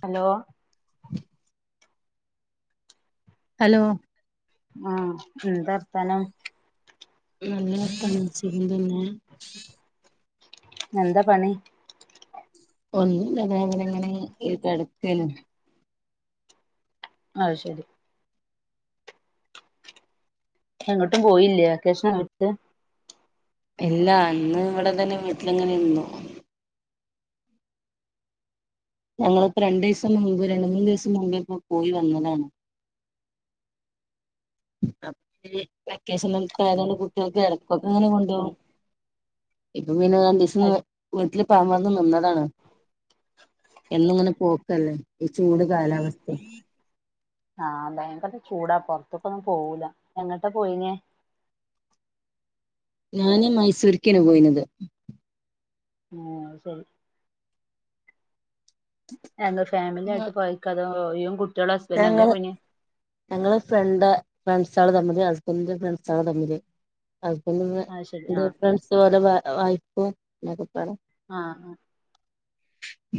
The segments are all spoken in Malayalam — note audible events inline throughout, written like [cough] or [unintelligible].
ഹലോ ഉ ഹലോ ആഹ് എന്താർഥനം നല്ലർത്താനം സുഖം തന്നെ എന്താ പണി? ഒന്നുല്ല ഞാനങ്ങനെങ്ങനെ കെടക്കെനു അഹ് ശെരി എങ്ങട്ടും പോയില്ലേ വെക്കേഷനായിട്ട് ഇല്ല ഇന്ന് ഇവടെ തന്നെ വീട്ടിലിങ്ങനെ ഇന്നു ഞങ്ങള്പ്പോ രണ്ടിസം മുമ്പ് രണ്ട് മൂന്ന് ദിവസം മുമ്പേ പോയി വന്നതാണ് അഹ് [unintelligible] കുട്ടികൾക്ക് എടക്കൊക്കെങ്ങനെ കൊണ്ടോകും ഇപ്പൊ പിന്നെ രണ്ടിസം നി ന്നിട്ട് ഇപ്പം അമർന്ന് നിന്നതാണ് എന്നും ഇങ്ങനെ പോക്കല്ലേ ഈ ചൂട് കാലാവസ്തേ ആഹ് ഭയങ്കര ചൂടാ പൊർത്ത്ക്കൊന്നും പോവൂല എങ്ങട്ടാ പോയിനേ? ഞാന് മൈസൂര്ക്കെണ് പോയിനെത് ഏഹ് അഹ് ശെരി എ ഫാമിലി ആയിട്ട് പോയക്ക അതോ ഇയ്യും, കുട്ടികളും, ഹസ്ബന്റ് അങ്ങനെ ഞങ്ങള് പോയ്നെ ഞങ്ങള് ഫ്രണ്ട് ഫ്രൺസാള് തമ്മില് ഹസ്ബന്റിന്റെ ഫ്രൺസാള് തമ്മില് ഹസ്ബന്റും അത് ശരി ആഹ് ഫ്രൺസ് പോ ഓലെ വൈഫും [unintelligible] ആഹ് ആഹ്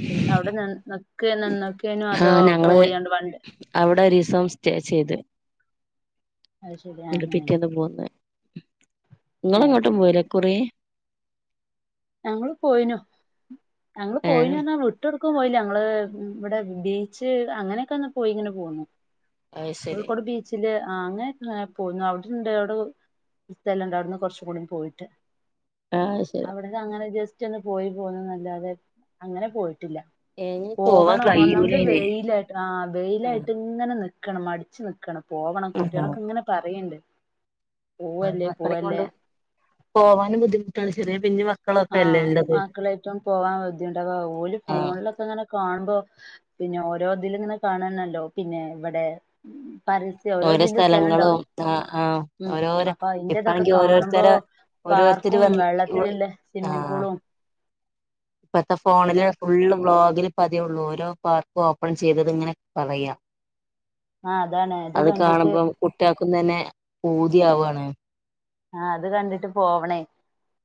ശെരി അവിടെ നിൻ ന്ന് ക്കെ നിന്നക്കെയ്നു അതോ ആഹ് ഞങ്ങള് പോയണ്ട് വണ്ട അവിടെ ഒരീസം സ്റ്റേ ചെയ്ത് അത് ശരി ആഹ് ആഹ് പിറ്റേന്ന് പോന്ന് ഇങ്ങള് ഏഹ് എങ്ങോട്ടും പോയില്ലേ ഇക്കുറി ഞങ്ങള് പോയിനു ഞങ്ങള് ഏഹ് പോയിനു പർഞ്ഞാ വിട്ടോട് ക്കും പോയില്ല ഞങ്ങള് ഇബടെ ബീച്ച് അങ്ങനെക്കെ ഒന്ന് പോയി ഇങ്ങനെ പോന്നു അത് ശരി കോഴിക്കോട് ബീ ച്ച്ല് അങ്ങനെ പോയിന്നു അവിടെണ്ട് അവിടെ സ്ഥലംണ്ട് അവിടുന്ന് കോർച്ചും കൂടി പോയിട്ട് ആഹ് അവിടന്ന് അങ്ങനെ ജസ്റ്റ് ഒന്ന് പോയി പോന്ന്ന്നല്ലാതെ അങ്ങനെ പോയിട്ടില്ല ഇനി പോവാൻ പോകണം ഒന്നാമത് കഴിയൂലയിന് വെയ്ല് ആഹ് ആഹ് വെയ്ലായിട്ട് ഇങ്ങനെ നിക്കാണ് മടിച്ച് നിക്കണ് പോവണം കുട്ട്യാളൊക്കെ ഇങ്ങനെ പറീണ്ട് ക്കളേം കൊണ്ട് പോവാനും ബുദ്ധിമുട്ടാണ് ചെറിയ പിഞ്ച ആഹ് മക്കളയ്റ്റും പോകാൻ ബുദ്ധിമുട്ടാ അപ്പ ഓല് ആഹ് ഫോണിലൊക്കെ അങ്ങനെ കാണുമ്പോ പിന്നെ ഓരോ ഇതില്ങ്ങനെ കാണണല്ലോ പിന്നെ ഇവടെ പ ഓരോ ഓരോതിന്റെ സ്ഥലം സ്ഥലങ്ങളും ഉണ്ടാവലേ ആഹ് ആഹ് ഉം ഓരോരോ അപ്പൊ അയ്ന്റെതൊക്കെ ഇപ്പാണെങ്കി കാണുമ്പോ ഓരോരുത്തരെ ഓരോരുത്തര് പാർക്കും വന്ന് വെള്ളത്തിലില്ലേ സ്വിമ്മിംഗ് ആഹ് പൂളും ഇപ്പത്തെ ഫോണില് അതൊക്കെ ഫുള്ള് വ്ളോഗില് പതെള്ളൂ ഓരോ പാർക്കും ഓപ്പൺ ചെയ്തത് ഇങ്ങനെ പറയാ ആ അതാണ് അത് കണ്ടിട്ട് കാണുമ്പം കുട്ട്യാക്കും തന്നെ പൂതിയാവാണ് ആഹ് അത് കണ്ടിട്ട് പോവണേ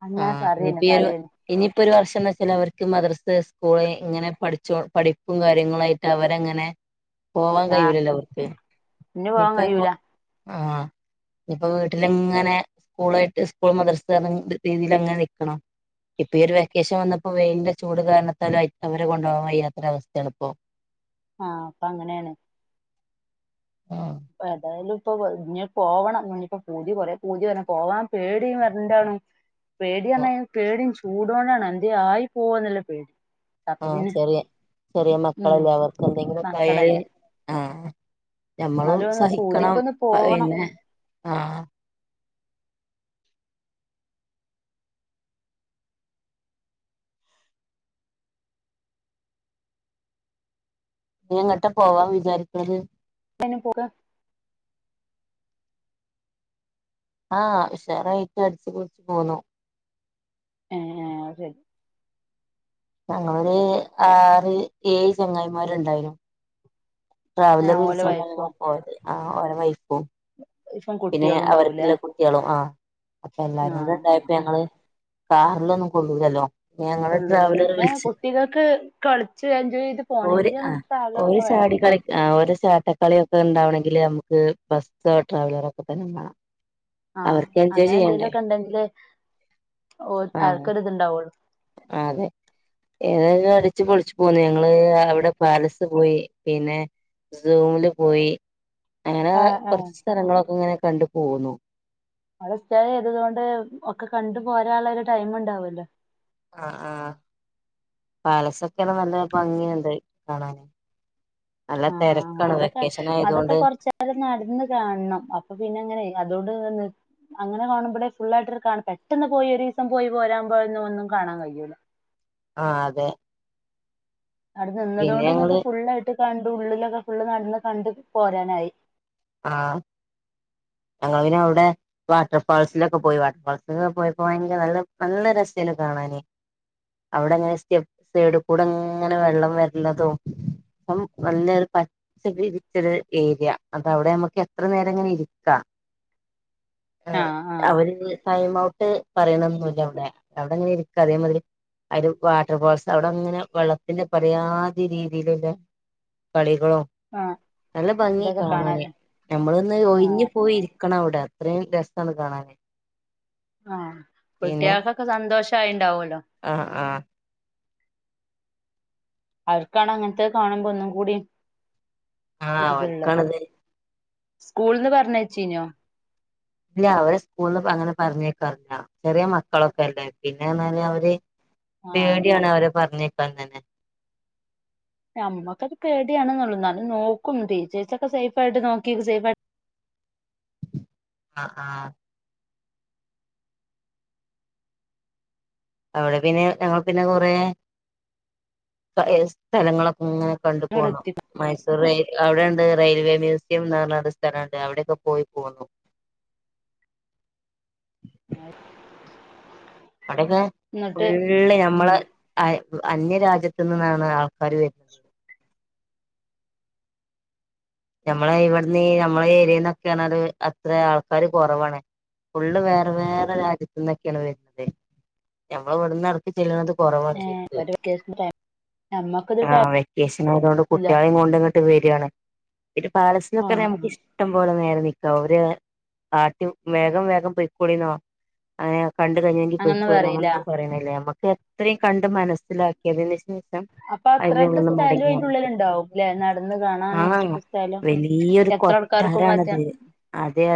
അങ്ങനെ പറിന്നെ പറിന്നെ ഇനിയിപ്പൊ ഒരു വർഷം എന്ന് വെച്ചാൽ അവർക്ക് മദ്രസ്ത്തെ സ്കൂള് ഇങ്ങനെ പഠിച്ച പഠിപ്പും കാര്യങ്ങളാ അവരങ്ങനെ പോവാൻ ആ കഴൂലല്ലോ അവർക്ക് ഇനി പോവാൻ ഇപ്പങ്ങോ കഴിയൂല ആഹ് ഇപ്പോ വീട്ടില്ങ്ങനെ സ്കൂള് ആയിട്ട് സ്കൂള് മദ്റസ് രീതിലങ്ങനെ നിക്കണം ഇപ്പൊ ഈ ഒരു വെക്കേഷൻ വന്നപ്പോ വെയിലിന്റെ ചൂട് കാരണത്താലും അവരെ കൊണ്ടുപോകാൻ വയ്യാത്തെ ഒരു അവസ്ഥയാണ് ഇപ്പോ ആഹ് ഇപ്പം അങ്ങനെണ് ആഹ് ഏതായാലും ഇപ്പോ ഇഞ് പോവണം ഇഞ്പ്പോ പൂതി കോറെ പൂതി തന്നെ പോവാൻ പേടിയും [unintelligible] പേട്യാന്നേ പേടിയും ചൂടോണ്ടാണ് എന്ത്യെ ആയി പോവന്നല്ല പേടി അപ്പൊ ആഹ് പിന്നെ ചെറിയ ചെറിയ ഉം മക്കളല്ലേ അവർക്ക് എന്തെങ്കിലും ഒക്കെ ആയാല് മക്കളല്ലേ ആഹ് ഞമ്മളും എന്നാലും ഒന്ന് സഹിക്കണം പൂതിക്കൊന്ന് പോവണം പിന്നെ ആഹ് ഞ്ഞി എങ്ങട്ടാ പോവാൻ വിചാരിക്കണത് പ്പയിന് പോകാ ആഹ് ഉഷാറായിട്ട് അടിച്ച് പൊളിച്ച് പോന്നു. ഏഹ് അഹ് ശരി ഞങ്ങളൊരു ആറ് ഏഴ് ചങ്ങായിമാര് ണ്ടെയുനു. ട്രാവലറ് ഓലെ വിളിച്ചാണ്ടാ ഞങ്ങള് വൈഫും പോയത് ആ ഓരെ വൈഫും. ഇപ്പം പിന്നെ കുട്ടികളും ഉണ്ടാവൂലേ അവർക്ക്‌ല്ല കുട്ട്യാളും ആ അപ്പൊ എല്ലാരും കൂടെ ആഹ് ആഹ് ഉണ്ടായപ്പോ ആഹ് ഞങ്ങള് കാറിലൊന്നും കൊള്ളൂലല്ലോ. ഞങ്ങള് കൊള്ളൂലല്ലോ ട്രാവലർ പിന്നെ വിളിച്ച് കുട്ടികൾക്ക് കളിച്ച് എൻജോയ് ചെയ്ത് ഓര് പോണെങ്കില് ആ അങ്ങനെ ട്രാവലറ് ഓര് ഒക്കെ വേണം. ചാടി കളി ആ ഓരെ ചാട്ടക്കളിയൊക്കെ ഉണ്ടാവണെങ്കില് നമുക്ക് ബസ്സോ ട്രാവലറൊ ഒക്കെ തന്നെ മാണം. ആഹ് അങ്ങനെ എന്തെലൊക്കെ ഉണ്ടെങ്കിലെ ഓൽ ആ അവർക്ക്‌ ഒരു ഇത്ണ്ടാവുള്ളൂ. അതെ ഇതന്നെ അടിച്ച് പൊളിച്ച് പോന്ന് ഞങ്ങള് അവിടെ പാലസ് പോയി പിന്നെ സൂമില് പോയി അങ്ങനെ ആഹ് ആഹ് കൊറച്ച് സ്ഥലങ്ങളൊക്കെ ഇങ്ങനെ കണ്ടു പോന്നു. അവടെ സ്റ്റെ ചെയ്തത് കൊണ്ട് ഒക്കെ കണ്ടു പോരാനുള്ള ഒരു ടൈം ഉണ്ടാവല്ലോ. ആ ആ പാലസൊക്കെണ് നല്ല ഭംഗിയുണ്ട് കാണാന് നല്ല തെരക്കാണ് വെക്കേഷന് ആയതോണ്ട്. അത്‌ നടന്ന് കാണണം അപ്പൊ പിന്നെ ങ്ങനെ അതോണ്ട് നിന്നി അങ്ങനെ കാണുമ്പളെ ഫുള്ളായിട്ട് കാണണ്ടേ പെട്ടന്ന് പോയി ഒരു ദിസം പോയി പോരാപോഴന്ന ഒന്നും കാണാൻ കഴിയൂല്ല ആ അതെ അവ്‌ടെ പിന്നെ നിന്നത്കൊണ്ട് ങ്ങക്ക് ഞങ്ങള് ഫുള്ളായിട്ട് കണ്ട് ഉള്ളിലൊക്കെ ഫുള്ള് നടന്ന് കണ്ട് പോരാനായി. ആഹ് ഞങ്ങള് പിന്നെ അവ്ടെ വാട്ടർ ഫാൾസിലൊക്കെ പോയി വാട്ടർ ഫാൾസിലൊക്കെ പോയപ്പോ ഭയങ്കര നല്ല നല്ല രസയിനു കാണാന് അവിടെ ഇങ്ങനെ സ്റ്റെപ് സൈഡു കൂടെ ങ്ങനെ വെള്ളം വെർനതും അം നലെരു പ [unintelligible] ഡിജിറ്റൽ ഏരിയ അപ്പം അവിടെ ഞമക്ക് എത്ര നേരം ഇങ്ങനെ ഇരിക്കാ ആ ആഹ് ആഹ് അവര് ത് ടൈം ഔട്ട് പറീണൊന്നൂല്ല അവ്ടെ അവിടങ്ങനെ ഇരിക്ക അതേമാതിരി ഒരു വാട്ടർ ഫാൾസ് അവിടെ ങ്ങനെ വള്ളത്തിന്റെ പലയാതി രീതിയിലില്ലെ കളികളോ ആഹ് എന്തൊക്കെ കാണാന് നമ്മളൊന്ന് ഒഴിഞ്ഞു പോയി ആഹ് ഇരിക്കണം അവ്ടെ അത്രേം രസാണ് കാണാന് ആഹ് പിന്നെ കുട്ട്യാക്കൊക്കെ സന്തോഷായിണ്ടാവല്ലോ ആഹ് ആഹ് അവർക്കാണ് അങ്ങനത്തത് കാണുമ്പോ ഒന്നും കൂടി ആഹ് ഒരിത്ള്ളത് ഓൽക്കാണത് സ്കൂൾന്ന് പറഞ്ഞ് അയചീനോ ഇല്ല അവരെ സ്കൂള്ന്ന് അങ്ങനെ പറഞ്ഞയക്കാറില്ല ചെറിയ മക്കളൊക്കെ അല്ലേ പിന്നേർഞാല് അവര് ആഹ് പേട്യാണ് അവരെ പറഞ്ഞയക്കാൻ തന്നെ നമ്മക്കക്കെ പേട്യാണ്‌ന്നൊള്ളു ന്നാലും നോക്കും ടീച്ചേഴ്സൊക്കെ സേഫായിട്ട് നോക്കി സേഫ് ആയിട്ട് ആഹ് ആഹ് അവിടെ പിന്നെ ഞങ്ങള് പിന്നെ കുറേ പയേ സ്ഥലങ്ങളൊക്കെ ങ്ങനെ കണ്ടു അങ്ങട് പോണം എത്തിക്കും മൈസൂർ റെയിൽ അവിടെണ്ട് റെയിൽവേ മ്യൂസിയം എന്ന്ർഞ്ഞൊരു സ്ഥലംണ്ട് അവിടെക്കെ പോയി പോന്നു. [inaudible] അവ്ടെക്കെ എന്നിട്ട് ഫുള്ള് ഉം നമ്മളെ അ -അന്യരാജ്യത്ത് നിന്നാണ് ആൾക്കാര് വരുന്നത് ഞമ്മളെ ഇവിടന്ന് ഈ ഞമ്മളെ ഏര്യേന്നൊക്കെന്ന് പറഞ്ഞാല് അത്രേ ആൾക്കാര് കൊറവാണ് ഫുള്ള് വേറെ വേറെ രാജ്യത്ത്ന്ന് ന്നൊക്കെയാണ് വരുന്നത് ഞമ്മള് ഇവിടുന്ന് എടക്ക്‌ ചെല്ലുന്നത് കൊറവാൻജോയ്ക്ക് ഞമ്മക്കിത് ആഹ് വെക്കേഷൻ ആയതോണ്ട് ടൈമില്ല കുട്ടിയാളീം കൊണ്ട്ങ്ങട്ട് വെര്ആണ്. പിന്നെ പാലസിലൊക്കെറഞ ആഹ് നമുക്ക് ആഹ് ഇഷ്ട ഷ്ടം പോലെ നേരം നിക്ക ഓര് ആട്ടി വേഗം വേഗം പൊയ്ക്കോളീന്നോ അങ്ങനെ കണ്ട് കഴിഞ്ഞെങ്കിൽ അങ്ങനൊന്നും പൊയ്ക്കോളിന്ന് പറയില്ല അങ്ങനൊന്നും പറയണ്ല്ല ഞമ്മക്ക് എത്രിം കണ്ട് മനസ്സിലാക്കിയതിന് ശേഷം അപ്പൊ അതിൽ അത്രക്ക് നിന്ന് സ്ഥലോം മടങ്ങിയാൽ അയ്ന്റെ മതി ഉുള്ളില്ണ്ടാവും ല്ലെ നടന്ന് കാണാന് ആഹ് അത്രക്കു സ്ഥലം വലിയൊരു എത്ര ആൾക്കാർക്കും പറ്റാ കൊട്ടാരാണത് അതെ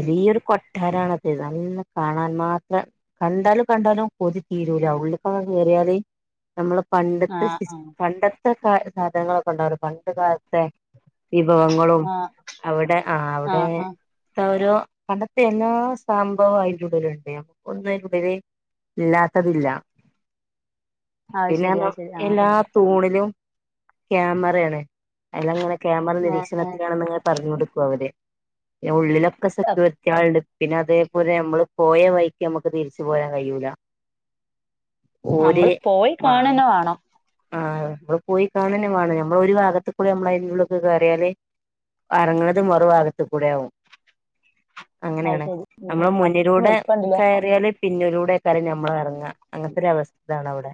ഉം കൊ ട്ടാരാണത് നല്ല കാണാൻ മാത്രം കണ്ടാലും കണ്ടാലും കൊതി തീരൂല ഉള്ളിക്കാണ് ണ്ട് കേറിയാല് നമ്മളെ പണ്ടത്തെ ആഹ് സിസ് ആഹ് പണ്ടത്തെ കാ സാധനങ്ങളൊക്കെണ്ടാവുലെ പണ്ട് കാലത്തെ വിഭവങ്ങളും ആഹ് അവിടെ ആഹ് അവിടെ ത്തൊ ഓരോ പണ്ടത്തെ എല്ലാ സംഭവം അയിന്റെഉള്ളിലുണ്ട് നമ്മുക്കൊന്നും അയ്ന്റെ ഉള്ളില് ഇല്ലാത്തതില്ല അത് ശരി പിന്നേറഞ്ഞ അത് ശരി എല്ലാ ആഹ് തൂണിലും ക്യാമറേണ് അയ്ലങ്ങനെ ക്യാമറ ആഹ് ഏഹ് നിരീക്ഷണത്തിാണെന്ന്ങ്ങനെ പറഞ്ഞോണ്ട്ക്കും അവര് പിന്നെ ഉള്ളിലൊക്കെ ഏഹ് സെക്യൂരിറ്റാൾണ്ട് പിന്നെ അതേപോലെ ഞമ്മള് പോയ വൈക്ക് ഞമ്മക്ക് തിരിച്ചു പോരാൻ കഴിയൂല ഓര് നമ്മള് പോയി മാ കാണന്നെ വേണം ആഹ് നമ്മള് പോയി കാണെന്നെ വാണം നമ്മള് ഒരു ഭാഗത്ത്കൂടി ഞമ്മളയ്ന്റെ ഉള്ള് ക്ക് കേറിയാല് അറങ്ങ്ണത് മറു ഭാഗത്ത്ക്കൂടെ ആവും അത് അങ്ങനെയാണ് ശരി ഉം നമ്മള് അത്രക്കും മുന്നിലൂടെ വലിപ്പണ്ടല്ലേ കയറിയാല് പിന്നിലൂടെ എക്കാരം ഞമ്മളെറങ്ങ അങ്ങനത്തെ ഒരു അവസ്ഥ ആണ് അവ്ടെ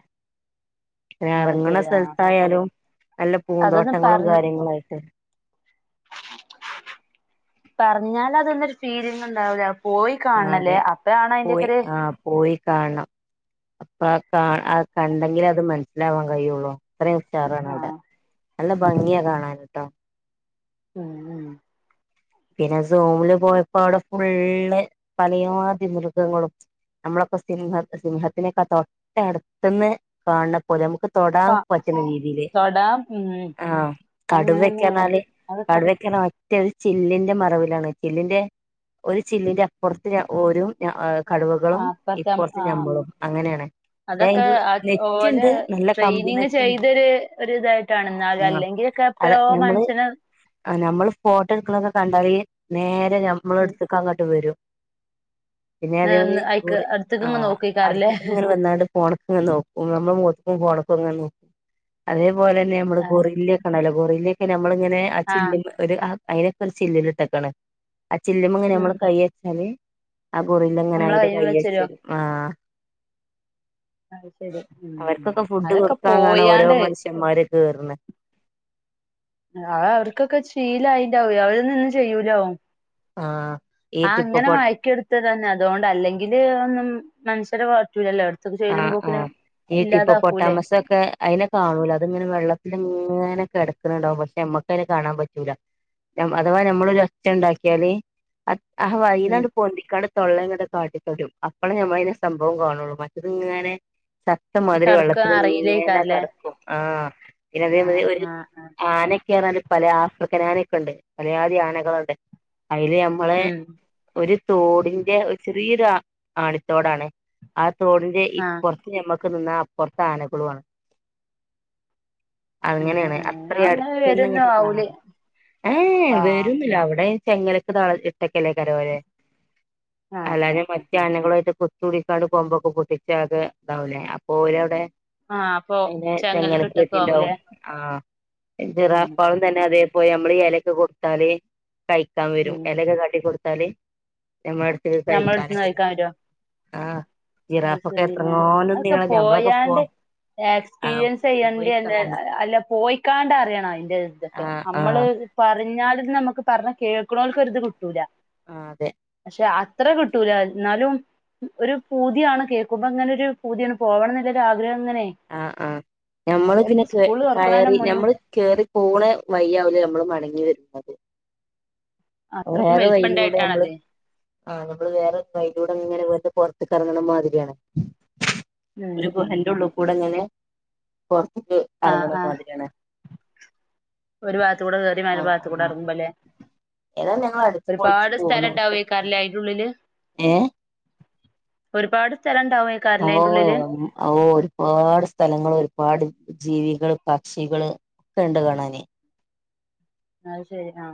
ന്നെ അത് എറങ്ങ്ണ ശരി ആ സ്ഥലത്തായാലും നല്ല അതൊന്ന് പൂന്തോട്ടങ്ങളും പറ കാര്യങ്ങളായി ട്ട് പറഞ്ഞാല് അതൊന്നൊരു ഫീലിംഗ്ഇണ്ടാവൂല്ല പോയി കാണണം ല്ലേ അപ്പയാണ് അയിന്റെ ഒക്കെര് ആഹ് പോയി കാണണം അപ്പൊ അ കാ അയ് കണ്ടെങ്കിലേ അത് മനസ്സിലാവാൻ കഴിയുള്ളൂ അത്രിം ഉഷാറാണ് ആ അവിടെ നല്ല ഭംഗിയാ കാണന്ട്ടോ ഉം ഉം പിന്നെ സൂംമ് ല് പോയപ്പോ അവിടെ ഫുള്ള് പലയാധിമൃഗങ്ങളും നമ്മളൊക്ക സിംഹത് സിംഹത്തിനെക്കെ തൊട്ട അട്ത്ത്ന്ന് കാൺണ പ്പോലെ അമ്മ്ക്ക് തൊടാൻ ക- പറ്റ്ണ രീതിയില് തൊടാം ഉം ആഹ് അങ്ങനെ കടുവെക്കെ തന്നെയാണ് അർഞാല് അതൊക്കെ കടുവെക്കെ അർഞ അത്യാവ് ചില്ലിന്റെ മറവിലാണ് ചില്ലിന്റെ ഒരു ചില്ലിന്റെ അപ്പൊർത്ത് ഓരും ഞ എഹ് ആ കടുവകളും അപ്പറത്തെ ഇപ്പൊർത്ത് ആ ഞമ്മളും അങ്ങനെണ് അതൊക്കെ അഹ് ഓലെ കമ്പി ട്രെയിനിങ് നെറ്റ് ഉണ്ട് ചെയ്തൊര് ഒര് ഇതായിട്ടാണ് ന്നാല് ആഹ് അല്ലെങ്കിലൊക്കെ എപ്പയോ മനുഷ്യനെ ആഹ് നമ്മള് ഫോട്ടെട്ക്ക്ണൊക്കെ കണ്ടാല് നേരെ ഉം, ഞമ്മളെട്ത്തക്കങ്ങട്ട് വെരും പിന്നെ അതേമാത് ഉം, രി അയ്ക്ക് കൂട് അടുത്തേക്ക് ആഹ് നോക്കിക്കാറല്ലേ അട്ത്ത്ക്ക്ങ്ങനെ വന്നാണ്ട് ഫോണ്ക്ക്ങ്ങെ നോക്കും നമ്മളെ മോത്ത്ക്കും ഫോണ്ക്കും ങ്ങനെ നോക്കും അതേപോലെന്നെ നമ്മള് ഗോറില്ലെക്കെണ്ടാവ് ലെ ഗൊറില്ലെക്കെ നമ്മളിങ്ങനെ ആ ചില്ല് ന്റെ ഒരു അഹ് അയ്നെക്കൊര് ചില്ലില്ട്ടെക്കാണ് ആ ചില്ല്മ്മെങ്ങനെ ഉം നമ്മള് കയ്യെച്ചാല് ആ ഗൊറില്ല ഇങ്ങനെ നമ്മളെ അയിന്റെ കയ്യിൽ വെച്ചരോ കയ്യെച്ചെരും ആഹ് അത് ശരി ഉം ഉം അവർക്കൊക്കെ ഫുഡ് അതൊക്കെ കൊടുക്കാൻ കാണാ ഓരോ പോയാണ്ട് മനുഷ്യന്മാരൊക്കെ വെറ് ന്ന് അഹ് അയ് അവർക്കൊക്കെ ശീലായിണ്ടാവൊയ് അവരെന്നും ഒന്നും ചെയ്യൂലാവം ആഹ് ഈ ആഹ് ടിപ്പുപൊ അങ്ങനെമയക്കി എട് ത്തതന്നെ അതുകൊണ്ട് അല്ലെങ്കില് ഒന്നും മനുഷ്യരെ പറ്റൂല്ലല്ലോ അട്ത്ത്ക്ക് ചെല്ലുമ്പോക്കിന് ഇല്ലാതാക്കൂല്ലേ ചൊക്കെ അയ്നെ കാണൂല അത്ങ്ങനെ വെള്ളത്തില്ങ്ങനെ കെടക്ക്ണ് ണ്ടാവും പക്ഷെ ഞമ്മക്കയ്നെ കാണാൻ പറ്റൂല യേം അഥവാ ഞമ്മളൊരു ഒച്ചണ്ടാക്കിയാല് അ അഹ ഉം വൈന്ട്ട് പൊന്തിക്കാട് തൊള്ളങ്ങളടെ കാട്ടിത്തൊരും അപ്പഴേ ഞമ്മൾ അതിനെ സംഭവം കാണുള്ളൂ. മ ഇത് ങ്ങന്നെ. ചത്തമാതിരി കെടക്കാൻ വെള്ളത്തില് ങ്ങനെ അറിയില്ലേക്കാരല്ലേ കെടക്കും ആഹ് പിന്നെ അതേ മാതിരി ആഹ് ഒര് ആഹ് ആഹ് ആനെക്കെ റ്ഞാല് പല ആഫ്രിക്കനാ നൊക്ക ണ്ട് പലയാതി ആനകളൊക്കെ ണ്ട് അയ്ല് ഞമ്മളെ ഉം ഒര് തോടിന്റെ ഒരു ചെറിയൊരാ ആണിത്തോടാണ്. ആ തോടിന്റെ ആഹ് ഇപ്പോറ്ത്ത് ഞമ്മൾ നിന്നാ അപ്പോറ്ത്ത്‌ ആനകളു ആണ് അങ്ങനെ അങ്ങനെയാണ് അങ്ങനെ അത്രേ അങ്ങനെ അട്ത്ത്‌ന്ന് വരൊന്നും ഇങ്ങട്ട് ആവൂലേ കാണാം ഏ ആഹ് വരും ന്നില്ല അവ്ടെ ചെങ്ങലക്ക് താൾ ഇട്ടക്കല്ലേ കാരം ഓലെ ആഹ് അല്ലാഞാ ആഹ് മറ്റ് ആനകളു ആയിട്ട് കു [unintelligible] കൂടിക്കണ്ട് കൊമ്പൊക്കെ പൊട്ടിച്ചാക്കെ ഇതാവുലേ അപ്പോ ഓല അവ്ടെ ആഹ് അപ്പൊ അയ്നെ ചെങ്ങൽ ചെങലെക്ക് കെട്ടൊക്കെ കെട്ടിണ്ടാവും. ആവൂലേ ആഹ് ഉം ഉം ചിറാഫാളും തന്നെ അതേ പോയി നമ്മള് ഈ എലൊക്കെ കൊട്ത്താല് കഴിക്കാം വരും. ഉം എലൊക്കെ കാട്ടികൊട്ത്താല് നമ്മളെട് ഉം കഴിക്കാന് ഞമ്മളെടുത്ത്ന്ന് കഴിക്കാൻ വരോ ആഹ്. അത് ജിറാഫൊക്കെ ശരി ആഹ് എത്രങ്ങോനും അതൊക്കെ [unintelligible] നമ്മളൊക്കെ [unintelligible] പോയാണ്ട് എക്സ്പീരിയൻസ് ചെയ്യേണ്ട. എന്താ അല്ല പോയിക്കാണ്ട് അറിയണം അയ്ന്റെ ഇതൊക്കെ ആഹ് നമ്മള്. ആഹ് ത് പറഞ്ഞാലും ഇത് നമുക്ക് പറഞ് കേൾക്ണോൽക് ഒര്ത് കിട്ടൂല. ആഹ് അതെ. പക്ഷെ അത്ര കിട്ടൂല ന്നാലും. ഒരു പൂതിയാണ് കേൾക്കുമ്പോ ങ്ങനെ ഒരു പൂതിയാണ് പോവണം ന്ന്ള്ള ആഗ്രഹം ങ്ങനെ? ആഹ് ആഹ് ഞമ്മള് പിന്നെ കെ തുറക്കണേന് കയറി മുന്നേ ഞമ്മള് കേറി പോണേ വയ്യാവുല നമ്മള് മടങ്ങി വരുമ്പം. അത്രക്കും വേറെ വയിയൂടെ നമ്മള് വലിപ്പണ്ടായിട്ടാണത് ആഹ് ഞമ്മള് വേറെ കയ്ലൂടെ ങ്ങനെ വന്ന് പൊറ്ത്ത്‌ക്കെ റ്ങ്ണ മാതിരിയാണ്. ഉം ഒര് ഉം ഗുഹന്റെറെ ഉള്ള് കൂടെങ്ങനെ പൊറ്ത്ത്‌ക്ക് ആഹ് എറ്ങ്ണ ആഹ് മാതിരി യാണ്. ഒരു ഭാത്തൂടെ കെറി വറെ ഭാത്ത്‌ കൂടെ ആഹ് എറ്ങ്ങുമ്പലെ? ഏതായാലും ഞങ്ങൾ അടിച്ചു പൊളിച്ചു ഒരുപാട് പോന്നു സ്ഥലംണ്ടാവേക്കാരെലെ അയ്ന്റെ ള്ളില്. ഏഹ് ഒരുപാട് സ്ഥലംണ്ടാവേ ഓ ഓഹ്. ഒരുപാട് സ്ഥലങ്ങള് ഒരുപാട് ജീവികൾ പക്ഷികള് ഒക്കെ ണ്ട് കാണാന്. അഹ് ശെരി ആ.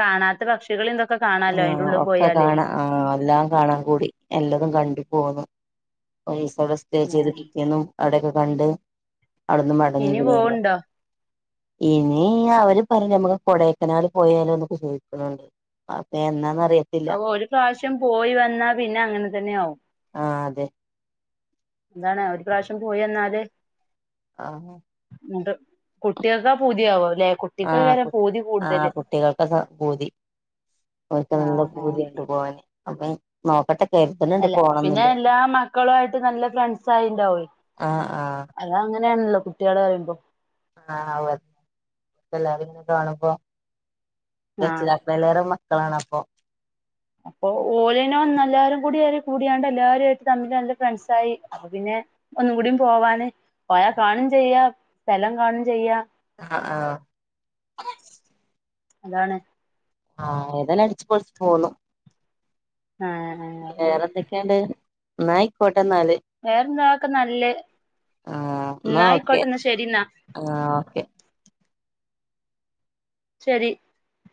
കാണാത്ത പക്ഷികളീം തൊക്കെ കാണാലോ അയ്ന്റെ ആഹ് ഉള്ളിൽ ഒക്കെ പോയാല്. കാണാ ആഹ് എല്ലാം കാണാൻ കൂടി. എല്ലതും കണ്ട് പോന്നു. ഒരീസഉടെ സ് സ്റ്റേ ചെയ്ത് ഉം പിറ്റെന്നും അവിടോക്കെ കണ്ട് അവ്ട്ന്ന് മടങ്ങി ഇനി പിന്നെ ങ്ങള്. പോവ്ണ്ടോ ഇനി അവര് പറിഞ്ഞെ നമ്മള് കൊടേക്കനാല് പോയാലോ ന്നൊക്കെ ചോയ്ക്ണ് ണ്ട്. എന്നാന്ന്അറിയൊ? അഹ് ഒര് പ്രാവിശ്യം പോയി വന്നാ പിന്നെ അങ്ങനെ തന്നെയാവും. ആഹ് അതെ. ന്താണ് ഒര് പ്രാവിശ്യം പോയി ന്നാല്. ആഹ്. ന്നെട്ട് കുട്ടികൾക്കാ പുതിയാവ ല്ലേ ആഹ് ആഹ് കുട്ടികൾക്കാ പൂതി ഓൽക് നല്ല ആഹ് ആഹ് പൂതിയാ [unintelligible] പോവാന് നോക്കട്ടെ കരുതുന്നുണ്ട് അല്ല പിന്നെ പോണംന്നില്ലേ എല്ലാ മക്കളു ആയിട്ട് നല്ല ഫ്രണ്ട്സാ യിണ്ടാവുഏ. ആഹ് ആഹ് അത അങ്ങനെണല്ലോ കുട്ടികള് റിമ്പോ? ആഹ് [unintelligible] കെല്ലാരോന്ന് കാണുമ്പോ ആഹ് രക്ഷിതാ.. [unintelligible] ന്ന മക്കളാണ് അപ്പൊ അപ്പൊ ഓലെന്നെ വന്ന് എല്ലാരും കൂടി കൂടിയാണ്ട് എല്ലാരും ആയിട്ട് തമ്മിൽ നല്ല ഫ്രണ്ട്സായി. പിന്നെ ഒന്നും കൂടി പോവാന്. പോയാ കാണും ചെയ്യാ. സ്ഥലം കാണും ചെയ്യാ. ആഹ് ആഹ്. [inaudible] അതാണ് ആഹ് ഏതാലും അട്ച്ച് പൊള്ച്ച് പോന്നു അഹ് പിന്നെ വേറെ എന്തൊക്കെയാണ്ട് എന്നായിക്കോട്ടെ എന്നാല് വേറെന്താക്കെ നല്ലേ ആഹ് എന്നാ ഓക്കെ എന്നായിക്കോട്ടെന്ന് ശരി എന്നാ ആഹ് ഓക്കെ ശരി